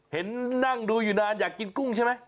เห็นนั่งดูอยู่นานอยากกินกุ้งใช่ไหม